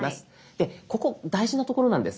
でここ大事なところなんです。